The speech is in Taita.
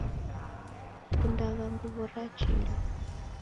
Sikundagha nguw'o ra chilu